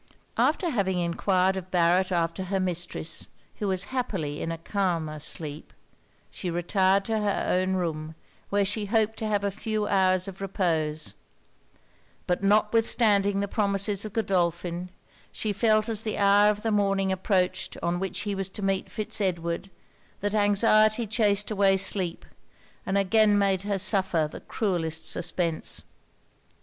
After having enquired of Barret after her mistress, who was happily in a calmer sleep, she retired to her own room, where she hoped to have a few hours of repose: but notwithstanding the promises of Godolphin, she felt as the hour of the morning approached on which he was to meet Fitz Edward, that anxiety chased away sleep, and again made her suffer the cruellest suspense.